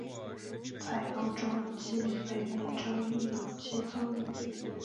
在欧洲及北美洲亦有其踪影。